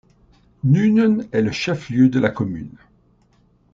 Nuenen est le chef-lieu de la commune.